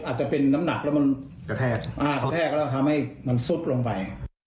อาจจะเป็นน้ำหนักแล้วมันกระแทกทำให้มันซุบลงไป